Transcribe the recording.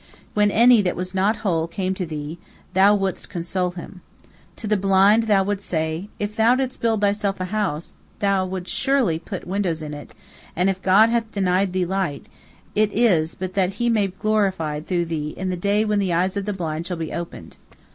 When any that was not whole came to thee, thou wouldst console him. To the blind thou wouldst say, If thou didst build thyself a house, thou wouldst surely put windows in it, and if God hath denied thee light, it is but that He may be glorified through thee in the day when 'the eyes of the blind shall be opened.'